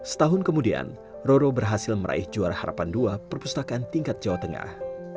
setahun kemudian roro berhasil meraih juara harapan dua perpustakaan tingkat jawa tengah